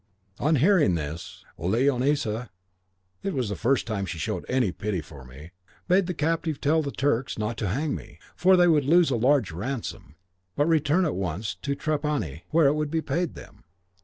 On hearing this, Leonisa (it was the first time she showed any pity for me) bade the captive tell the Turks not to hang me, for they would lose a large ransom, but return at once, to Trapani, where it would be paid them.